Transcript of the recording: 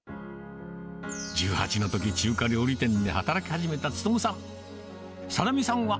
１８のとき、中華料理店で働き始めた勉さん。